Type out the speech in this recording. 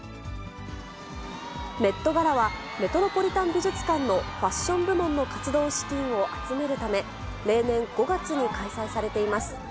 メットガラはメトロポリタン美術館のファッション部門の活動資金を集めるため、例年、５月に開催されています。